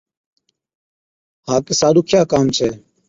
ها ڪِسا ڏُکِيا ڪام ڇَي۔